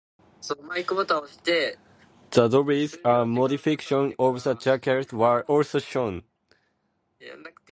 The ‘dobbies’—a modification of the Jacquard—were also shown.